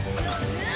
うん。